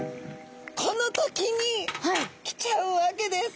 この時に来ちゃうわけです。